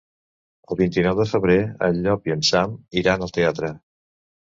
El vint-i-nou de febrer en Llop i en Sam iran al teatre.